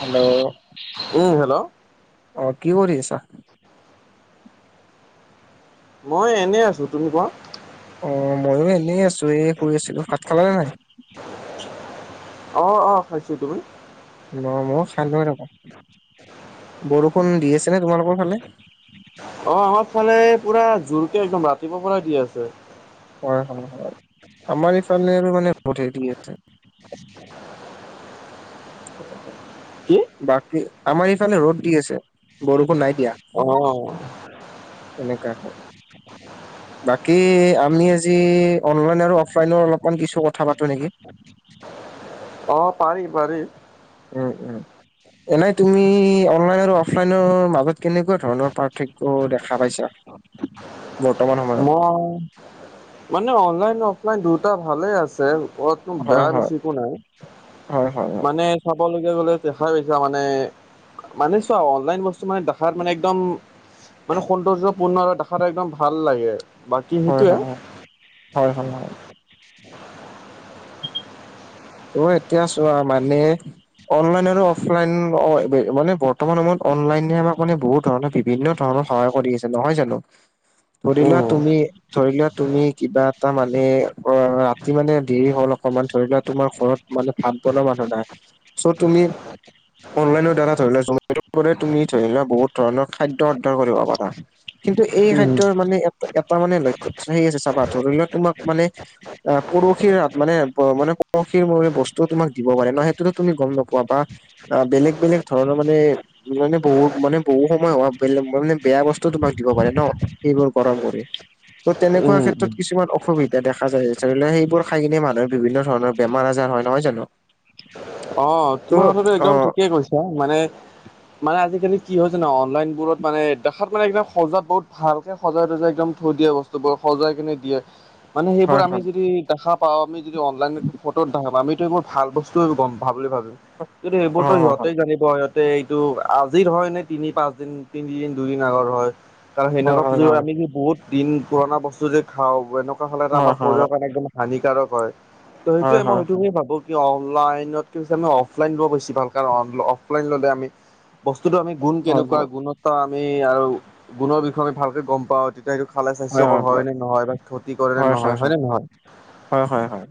Hello উম hello অ কি কৰি আছা? [unintelligible] মই এনে আছো তুমি কোৱা? অ মইয়ো এনেই আছো, এ শুই আছিলো ভাত খালা নে নাই? অ অ খাইছো তুমি? ন মই খাই [inaudible] বৰষুণ দি আছে নে তোমালোকৰ ফালে? অ আমাৰ ফালে পুৰা জোৰকে একদম ৰাতিপুৱাৰ পৰাই দি আছে। হয় হয় হয় আমাৰ ইফালে আৰু মানে বহুত হেৰি আছে। [unintelligible] কি? বাকী আমাৰ এইফালে ৰ'দ দি আছে বৰষুণ নাই দিয়া। অ', এনেকুৱাকে। বাকী আমি আজি অনলাইন আৰু অফলাইনৰ অলপমান কিছু কথা পাতো নেকি? অ পাৰি পাৰি। উম উম এনে তুমি অনলাইন আৰু অফলাইনৰ মাজত কেনেকুৱা ধৰণৰ পাৰ্থক্য দেখা পাইছা? [inaudible] বৰ্তমান সম মই মানে অনলাইন অফলাইন দুটা ভালে আছে ক'ত কিন্তু হয় বেয়া হয় বেছি একো নাই হয় হয় মানে চাবলৈকে গ'লে দেখাই পাইছা মানে। মানে চোৱা অনলাইন বস্তু মানে দেখাত মানে একদম মানে সৌন্দৰ্যপূৰ্ণ আৰু দেখাত একদম ভাল লাগে বাকী হয় সেইটোয়ে হয় হয় হয় হয় হয় ত এতিয়া চোৱা মানে অনলাইন আৰু অফলাইন মানে বৰ্তমান সময়ত অনলাইনে আমাক মানে বহুত ধৰণে কৃ বিভিন্ন ধৰণৰ সহায় কৰি আছে নহয় জানো ধৰি লোৱা উম, তুমি ধৰি লোৱা তুমি কিবা এটা মানে অ ৰাতি মানে দেৰি হ'ল অকমান ধৰি লোৱা তোমাৰ ঘৰত মানে ভাত বনোৱা মানুহ নাই চ' তুমি অনলাইনৰ দ্বাৰা ধৰি লোৱা জমেটত মানে তুমি ধৰি লোৱা বহুত ধৰণৰ খাদ্য অৰ্ডাৰ কৰিব পাৰা। কিন্তু এই উম, খাদ্যৰ মানে এটা এটা মানে লক্ষ্য হেই আছে চাবা ধৰি লোৱা তোমাক মানে এ পৰখীৰ ভাত মানে ব মানে পৰখী বনোৱা বস্তুও তোমাক দিব পাৰে ন সেইটোটো তুমি গম নোপোৱা বা আ বেলেগ বেলেগ ধৰণৰ মানে মানে বহুত মানে বহু সময় হোৱা বেলেগ মানে বেয়া বস্তু তোমাক দিব পাৰে ন এইবোৰ গৰম কৰি ত' তেনেকুৱা উম, উম। ক্ষেত্ৰত কিছুমান অসুবিধা দেখা যায় ধৰিলোৱা সেইবোৰ খাই কিনে মানুহে বিভিন্ন ধৰণৰ বেমাৰ আজাৰ হয় নহয় জানো? অ ত' তোমাৰ কথাটো অ একদম ঠিকেই কৈছা মানে মানে আজিকালি কি হয় জানা অনলাইনবোৰত মানে দেখাত মানে একদম সজাত বহুত ভাল সজাই তজাই একদম থৈ দিয়ে বস্তুবোৰ সজাই কিনে দিয়ে মানে সেইবোৰ হয় আমি হয় যদি দেখা পাওঁ আমি যদি অনলাইনতো ফটোত দেখা পাওঁ আমিতো সেইবোৰ ভাল বস্তু গম ভা বুলি ভাবিম কিন্তু অ সেইবোৰতো সিহতেই জানিব সিহঁত টে এইটো আজিৰ হয় নে তিনি পাঁচ দিন তিনিদিন দুইদিন আগৰ হয়। কাৰণ সেনেকুৱা হয় হয় পুজৰ আমি যে বহুত দিন পুৰণা বস্তু যে খাওঁ এনেকুৱা হ'লে হয় আমাৰ শৰীৰৰ হয় কাৰণে একদম হানিকাৰক হয় ত হয় হয় সেইটোয়ে মই হয় সেইটোকেই ভাবো অনলাইনতকে বেছি আমি অফলাইন লোৱা বেছি ভাল কাৰণ অনলাইন অফলাইন ল'লে আমি বস্তুতটো আমি গুণ কেনেকুৱা গুণতা আমি আৰু গুণৰ বিষয়ে আমি ভালকে গম পাওঁ। তেতিয়া এইটো খালে স্বাস্থ্যকৰ হয় নে নহয় বা ক্ষতি কৰে নে নহয় হয় নে নহয়? হয় হয় হয়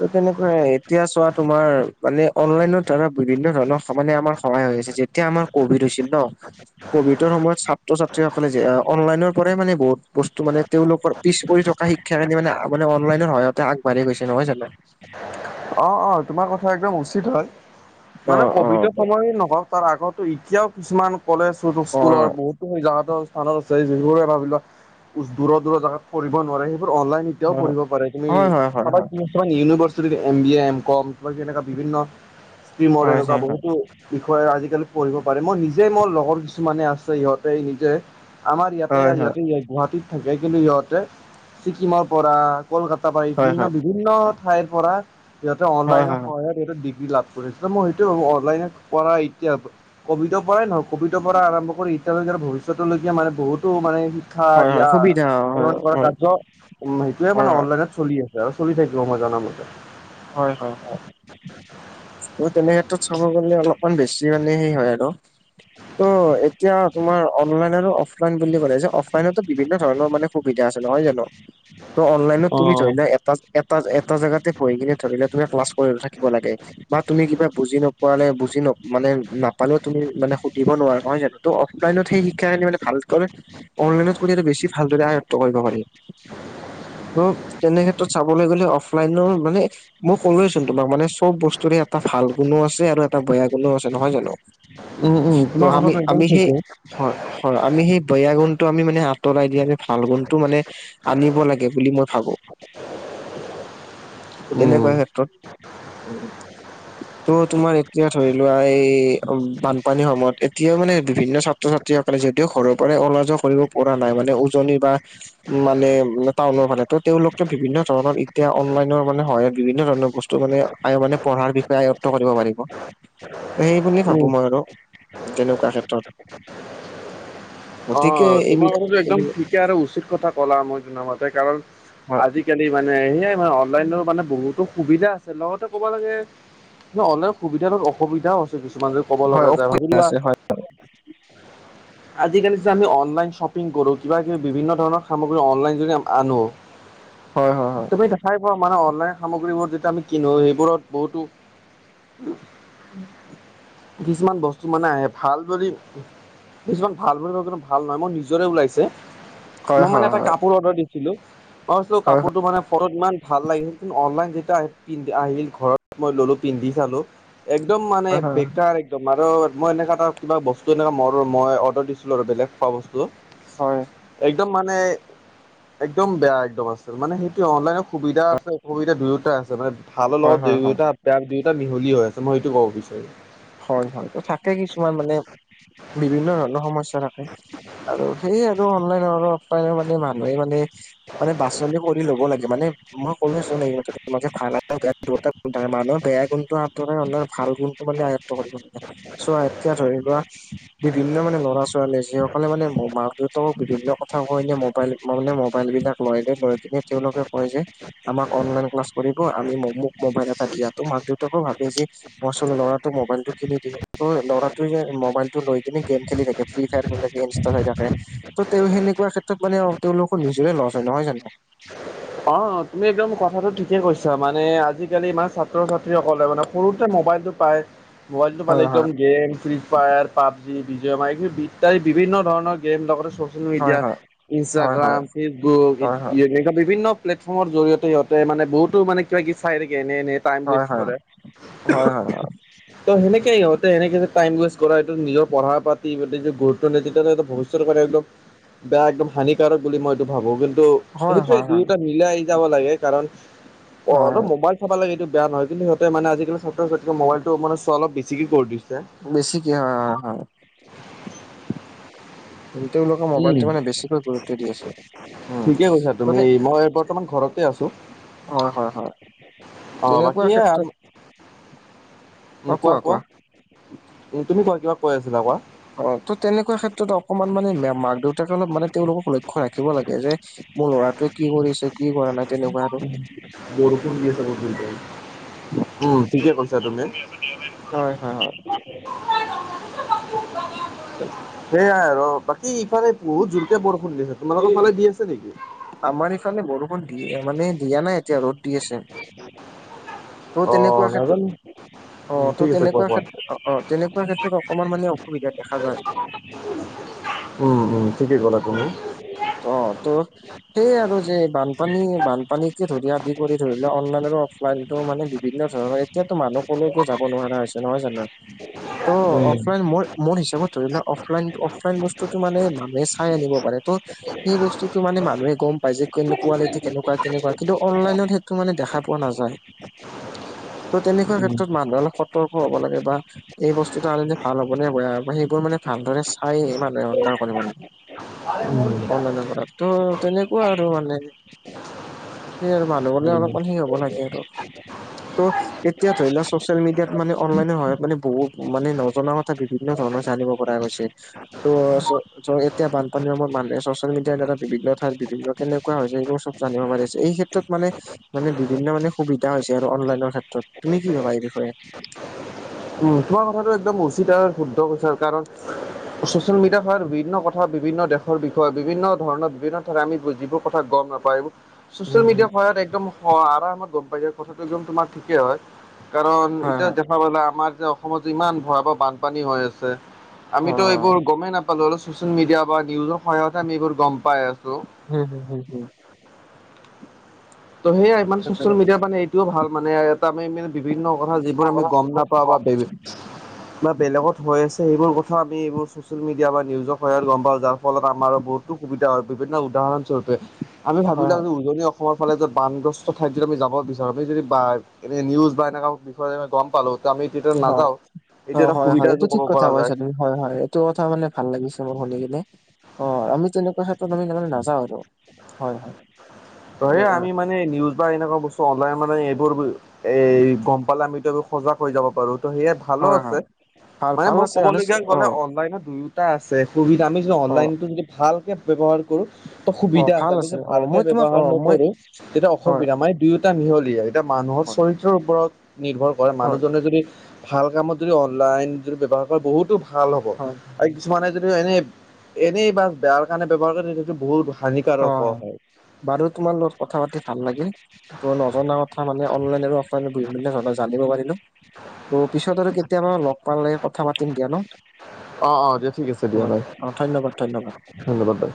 ত' তেনেকুৱাই এতিয়া চোৱা তোমাৰ মানে অনলাইনত ধৰা বিভিন্ন ধৰণৰ সমানে আমাৰ সহায় হৈ আছে যেতিয়া আমাৰ ক'ভিড হৈছিল ন ক'ভিডৰ সময়ত ছাত্ৰ ছাত্ৰীসকলে যে অনলাইনৰ পৰাই মানে বহুত বস্তু মানে তেওঁলোকৰ পিছ পৰি থকা শিক্ষাখিনি মানে মানে অনলাইনৰ সহায়তে আগবাঢ়ি গৈছে নহয় জানো? [inaudible] অ অ তোমাৰ কথা একদম উচিত হয় অ মানে অ ক'ভিড এতিয়াৰ সময় নকওক তাৰ আগতো এতিয়াও কিছুমান কলেজ স্কু অ স্কুলৰ বহুতো জাগাতো স্থানত আছে যিবোৰে ভাবিলোৱা দূৰ দূৰ জাগাত পঢ়িব নোৱাৰে সেইবোৰ অনলাইন এতিয়াও পঢ়িব পাৰে তুমি হয় হয় হয় চাবা হয় কিছুমান university M B A M কম কিবা কিবি এনেকুৱা বিভিন্ন ষ্ট্ৰীমৰ হয় এনেকুৱা হয় বহুতো বিষয়ে আজিকালি পঢ়িব পাৰে মই নিজে মোৰ লগৰ কিছুমানে আছে সিহঁতে নিজে আমাৰ ইয়াতে হয় হয় হয় ইহঁতি গুৱাহাটীত থাকে, কিন্তু সিহঁতে ছিকিমৰ পৰা কলকা তাপা এই হয় বিভিন্ন হয় বিভিন্ন ঠাইৰ পৰা। সিহঁতে অনলাইনৰ হয় সহায়ত এইটো ডিগ্ৰী লাভ কৰে, মই সেইটোৱে ভাবো অনলাইনে কৰা এতিয়া ক'ভিডৰ পৰাই নহয়, ক'ভিডৰ পৰা আৰম্ভ কৰি এতিয়ালৈকে ভৱিষ্যতলৈকে মানে বহুতো মানে খা হয় হয় সুবিধা হয় দিয়া--কৰা হয় কাৰ্য। উম, সেইটোয়ে হয় মানে হয় অনলাইনত চলি আছে আৰু চলি থাকিব মই জনা মতে। হয়', হয়', হয়'। ত তেনে ক্ষেত্ৰত চাব গ'লে অলপমান বেছি মানে সেই হয় আৰু। ত এতিয়া তোমাৰ অনলাইন আৰু অফলাইন বুলি ক'লে যে, অনলাইনতো বিভিন্ন ধৰণৰ মানে। সুবিধা আছে নহয় জানো, ত অনলাইনত অ। তুমি ধৰি লোৱা এটা, এটা, এটা জাগাতে ধৰি লোৱা তুমি ক্লাছ কৰি থাকিব লাগে। বা তুমি কিবা বুজি নোপোৱালে, বুজি ন মানে নাপালেও, তুমি মানে সুধিব নোৱাৰা নহয় জানোঁ। ত অফলাইনত শিক্ষাখিনি মানে ভাল কৰে। অনলাইনত কৰি আৰু বেছি ভালদৰে আয়ত্ব কৰিব পাৰি। ত তেনে ক্ষেত্ৰত চাবলে গ'লে অফলাইনৰো। মানে মই কলোঁৱেচোন তোমাক, মানে চব বস্তুৰে এটা ভাল গুণো আছে আৰু এটা বেয়া গুণো আছে নহয় জানোঁ। উম উম ত তোমাৰ আমি, কথাটো একদম আমি সেই ঠিকে। হয়', হয়', আমি সেই বেয়া গুণটো আমি মানে আঁতৰাই দি, আমি ভাল গুণটো মানে আনিব লাগে বুলি মই ভাবোঁ। তেনেকুৱা উম, ক্ষেত্ৰত উম। ত তোমাৰ এতিয়া ধৰি লোৱা এই বানপানীৰ সময়ত, এতিয়া মানে বিভিন্ন ছা। ছাত্ৰ -ছাত্ৰীসকলে যিহেতু ঘৰৰ পৰাই ওলাই যোৱা কৰিব পৰা নাই, মানে উজনি বা মানে, টাউনৰ ফালে ত তেওঁলোকে বিভিন্ন ধৰণৰ এতিয়া অনলাইনৰ মানে সহায়। বিভিন্ন ধৰণৰ বস্তু মানে আয় মানে পঢ়াৰ বিষয়ে আয়ত্ব কৰিব পাৰিব। সেই বুলিয়ে উম, ভাবোঁ মই আৰু তেনেকুৱা ক্ষেত্ৰত। গতিকে, এইবিলাক এইবিলাক। এতিয়া আৰু উচিত কথা ক'লা মই জনামতে, কাৰণ হয় আজিকালি মানে সেয়াই অনলাইন মানে বহুতো সুবিধা আছে লগতে ক'ব লাগে অনলাইন সুবিধাত তাত অসুবিধাও আছে। কিছুমান যে ক'ব হয় লগা যায় অসুবিধা ভাবিলোৱা। [unintelligible] আজিকালি যে আমি অনলাইন শ্বপিং কৰোঁ, কিবা কিবি বিভিন্ন ধৰণৰ সামগ্ৰী অনলাইন যোগেদি আমি আনোঁ। হয় হয়। তুমি চা-চাই পোৱা মানত। অনলাইন সামগ্ৰীবোৰ যেতিয়া আমি কিনো সেইবোৰত বহুতো কিছুমান বস্তু মানে আহে ভাল যদি। কিছুমান ভাল বুলি ভাবো কিন্তু ভাল নহয়, মোৰ নিজৰে ওলাইছে। হয় মই মানে হয় এটা কাপোৰ অৰ্ডাৰ দিছিলোঁ, মই ভাবিছিলোঁ হয় কাপোৰটো মানে ফটোত ইমান ভাল লাগিল। অনলাইন যেতিয়া আহিল পিন্ধি আহিল, ঘৰত মই ললোঁ পিন্ধি চালোঁ। একদম মানে হয় হয় হয় বেকাৰ। একদম আৰু মই এনেকা এটা কিবা বস্তু এনেকা মোৰ মই অৰ্ডাৰ দিছিলোঁ আৰু বেলেগ। খোৱা বস্তু। হয় একদম মানে একদম বেয়া একদম আছিল, মানে সেইটোৱে অনলাইনত সুবিধা আছে। অসুবিধা দুয়োটা আছে, মানে ভালৰ হয় লগত হয় হয় দুয়োটা বেয়া দুয়োটা মিহলি হৈ আছে, মই এইটো ক'ব বিচাৰিম। হয় হয় ত থাকে কিছুমান মানে। বিভিন্ন ধৰণৰ সমস্যা থাকে, আৰু সেয়ে আৰু অনলাইন আৰু অফ প্ৰায়বোৰ মানে মানুহে মানে মানে বাচনি কৰি ল'ব লাগে। মানে মই কলোইচোন এইমাত্ৰ তোমাক যে ভাল এটাও বেয়া থাকিব। দুটাক মানুহে বেয়া গুণটো আঁতৰাই ভাল গুণটো মানে আয়ত্ব তো, চোৱা এতিয়া ধৰি লোৱা। বিভিন্ন মানে ল'ৰা- ছোৱালী যিসকলে মানে মাক দেউতাকও বিভিন্ন কথা কথা কয়। মোবাইল মানে, মবাইল বিলাক লৈ- লৈ কিনে তেওঁলোকে কয় যে আমাক অনলাইন ক্লাছ কৰিব। আমি মোক মোবাইল এটা দিয়াতটো মাক দেউতাকো ভাৱে যে ছোৱালী ল'ৰা মোবাইলটো কিনি দিও ত ল'ৰাটোৱে যে মোবাইল টো লৈ কিনে গেম খেলি থাকে। ফ্ৰী ফায়াৰ খেলি থাকে, ইনষ্টা চাই থাকে। ত তেওঁ সেনেকুৱা ক্ষেত্ৰত মানে তেওঁলোকৰ নিজৰে লছ হয়, নহয় জানো? অ, তুমি একদম কথাটো ঠিকে কৈছা মানে, আজিকালি ইমান ছাত্ৰ- ছাত্ৰীসকলে মানে সৰুতে মোবাইলটো পায়। মোবাইলটো মালে হয় একদম হয় গেম, ফ্ৰী- ফায়াৰ পাবজি, বিজয় মাৰ, এই ইত্যাদি বিভিন্ন ধৰণৰ গেম লগত চচেল হয় মিডিয়া, হয় হয় হয় ইনষ্টাগ্ৰাম, ফেচবুক হয় হয় এনেুকোৱা বিভিন্ন প্লেটফৰ্মৰ জৰিয়তে, সিহঁতে মানে বহুতো মানে, কিবি চাই থাকে, এনে- এনে। টাইম হয় ৱেষ্ট হয় কৰে। হয় হয় হয় ত' হেনেকে সিহঁতে টাইম ৱেষ্ট কৰা, এইটো নিজৰ পঢ়া পাতি বা নিজৰ গুৰুত্ব নিদিলে এটা বহুত বহুতৰ একদম বেয়া, একদম হানিকাৰক বুলি মই এইটো ভাবোঁ। কিন্তু হয় হয় সেইটোয়ে হয় দুয়োটা মিলাই আহ, যাব লাগে। কাৰণ অ, হয় অলপ হয় মোবাইল চাব লাগে, এই বেয়া নহয়। কিন্তু সিহঁতে মানে আজি কালি ছাত্ৰ ছাত্ৰীয়ে মোবাইলটো মানে চোৱাটো অলপ বেছিকে কৰি দিছে। বেছিকে অ, হয়। কিন্তু তেওঁলোকে মোবাইলটো উম, মানে বেছিকৈ গুৰুত্ব দি আছে। উম, ঠিকেই কৈছা তুমি, মানে মই বৰ্তমান ঘৰত। আছোঁ। হয়- হয়- হয়। অ, বাকী তেনেকুৱা এই ক্ষেত্ৰত আৰু। উম, কোৱা- কোৱা, উম, তুমি কোৱা কিবা কৈ আছিলা কোৱা? অ, ত, তেনেকুৱা ক্ষেত্ৰত অকমান মানে মাক- দেউতাক অলপ মানে তেওঁলোকক লক্ষ্য ৰাখিব লাগে, যে মোৰ ল'ৰাটোৱে কি কৰিছে, কি কৰা নাই, তেনেকুৱা আৰু। বৰষুণ দি আছে বহুত ডাঙৰকে। উম, ঠিকে কৈছা তুমি। হয়- হয়- হয়। [unintelligible] ত সেয়াই আৰু, বাকি ইফালে বহুত জোৰকে বৰষুণ দিছে। তোমালোকৰফালে দি আছে নেকি? আমাৰ ইফালে বৰষুণ দিয়ে মানে, দিয়া নাই এতিয়া। ৰ'দ দি আছে। ত' [inaudible] অ, তেনেকুৱা ক্ষেত্ৰত নাজানো। উম, অ', ঠিক ত' আছে, তেনেকুৱা কোৱা- কোৱা। ক্ষেত্ৰত অ', অ', তেনেকুৱা ক্ষেত্ৰত অকমান মানে অসুবিধা দেখা যায়। উম- উম। ঠিকে ক'লা তুমি। অ, তইয়ো সেইয়েই আৰু যে বানপানী- বানপানীকে ধৰি আদি কৰি ধৰি ললে অনলাইন আৰু অফলাইনতো মানে বিভিন্ন ধৰণৰ এতিয়াতো মানুহ কলৈকো যাব নোৱাৰা হৈছে, নহয় জানো? তো, উম অফলাইন মো- মোৰ হিচাপত ধৰি লওঁক, অফলাইন অফলাইন বস্তটো মানে মে চাই আনিব পাৰে। ত' সেই বস্তুটো মানে মানুহে বাহ্যিক কোৱালিটি কেনেকুৱা- কেনেকুৱা, কিন্তু অনলাইনত সেইটো মানে দেখা পোৱা নাযায়। ত, ' তেনেকুৱা উম ক্ষেত্ৰত মানুহে অলপ সতৰ্ক হব লাগে। বা এই বস্তুতটো আৰু এনে ভাল হ'বনে, বেয়া সেইবোৰ মানে ভালদৰে চাই এই মানে অৰ্ডাৰ কৰিব লাগে। অললাইনৰ কৰাটো সেনেকুৱা আৰু মানে। সেই আৰু মানুহ বলে উম। অলপ মানে হে হ'ব লাগে আৰু। ত' এতিয়া ধৰি লোৱা ছচিয়েল মিডিয়াত মানে অনলাইনৰ সহায়ত মানে বহুত মানে নজনা কথা ভিবিন্ন ধৰণৰ জানিব পৰা গৈছে ত' ত' এতিয়া বানপানীৰ সময়ত মানুহে ছচিয়েল মিডিয়াৰ দ্বাৰা বিভিন্ন ঠাইৰ বিভিন্ন কেনেকুৱা হৈছে এইবোৰ চব জানিব পাৰিছে, এই ক্ষেত্ৰত মানে মানে বিভিন্ন মানে সুবিধা হৈছে আৰু অনলাইনৰ ক্ষেত্ৰত। তুমি কি ভাবা এই বিষয়ে? উম, তোমাৰ কথাটো একদম উচিত আৰু শুদ্ধ কৈছা আৰু কাৰণ চচিয়েল মিডিয়াৰ সহায়ত বিভিন্ন কথা, বিভিন্ন দেশৰ বিষয়ে, বিভিন্ন ধৰণৰ, বিভিন্ন ঠাইত আমি যিবোৰ কথা গম নাপা উম চচিয়েল হুম। মিডিয়াৰ সহায়ত একদম আৰামত গম পাই যায়, কথাটো একদম তোমাৰ ঠিকেই হয়। কাৰণ হয় এতিয়া হয় দেখা পালা আমাৰ যেতিয়া অসমতো ইমান ভয়াৱহ বানপানী হৈ আছে অ আমিতো এইবোৰ গমেই না ছচিয়েল মিডিয়া বা নিউজৰ সহায়তে আমি এইবোৰ গম পাই আছোঁ। হুম, হুম, হুম, হুম। ত' সেয়াই মানে ছচিয়েল মিডিয়াৰ মানে এইটোও ভাল মানে এটা আমি মানে বিভিন্ন কথা যিবোৰ আমি গম নাপাওঁ বা ভে বা বেলেগত হৈ আছে সেইবোৰ কথা আমি এইবোৰ ছচিচেল মিডিয়া বা নিউজৰ সহায়ত গম পাই যাওঁ। ফলত আমাৰো বহুতো সুবিধা হয়, বিভিন্ন উদাহৰণস্বৰপে আমি ভাবি হয় লওঁ হয় যে উজনি অসমৰ ফালে য'ত বানগ্ৰস্ত ঠাইত যদি আমি যাব বিচাৰোঁ, আমি যদি বা এনে নিউজ বা এনেকুৱা বিষয়ে আমি গম পালোঁ তে আমি যেতিয়া অ নাযাওঁ, অ এইটো এটা হয় হয় সুবিধা এইটো য ঠিক ক'ব কথা পৰা কৈছা যায়। তুমি হয় হয়, এইটো কথা মানে ভাল লাগিছে মোৰ শুনি কিনে। অ' আমি তেনেকুৱা [unintelligible] আমি তাৰমানে নাযাওঁ আৰু হয় হয়, ত সেয়ে আমি মানে [unintelligible] নিউজ বা এনেকুৱা বস্তু অনলাইন মানে এইবোৰ এ, গম পালে আমিও সজাগ হৈ যাব পাৰো ত' সেয়ে ভালো হয় আছে, হয় ভাল মানে ভাল মোক আছে আনিছ ক'বলগীয়া অ গ'লে অনলাইনত দুয়ো এটা আছে, সুবিধা আমি যদি অ অনলাইনটো যদি ভালকে ব্যৱহাৰ কৰোঁ অ সুবিধা আছে, ভাল আমি অ ভালকে মই তোমাক ব্যাৱহাৰ অ মই নকৰোঁ তেতিয়া হয় অসুবিধা মে দুয়ো এটা মিহলি, এতিয়া মানুহৰ হয় চৰিত্ৰৰ ওপৰত নিৰ্ভৰ কৰে হয় মানুহজনে যদি ভাল কামত যদি অনলাইন যদি ব্যৱহাৰ কৰে বহুতো ভাল হ'ব হয় আৰু কিছুমানে যে এনেই এনেই বা বেয়াৰ কাৰণে ব্যৱহাৰ কৰে তে এইটো বহুত অ হানিকাৰক হয়। বাৰু তোমাৰ লগত কথা পাতি ভাল লাগিল। ত' নজনা কথা মানে অনলাইন আৰু অফলাইন বিভিন্ন ধৰণ জানিব পাৰিলোঁ, ত' পিছত আৰু কেতিয়াবা লগ পালে কথা পাতিম দিয়া ন'। অ', অ' দিয়া ঠিক আছে অ দিয়া বাই। অ ধন্যবাদ ধন্যবাদ ধন্যবাদ বাই।